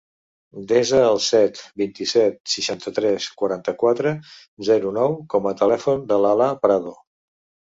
Desa el set, vint-i-set, seixanta-tres, quaranta-quatre, zero, nou com a telèfon de l'Alaa Prado.